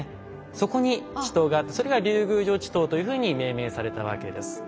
そこに池溏があってそれが竜宮城池溏というふうに命名されたわけです。